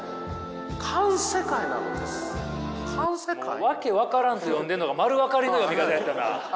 もう訳分からんと読んでんのが丸分かりの読み方やったな。